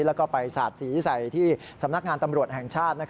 แล้วก็ไปสาดสีใส่ที่สำนักงานตำรวจแห่งชาติ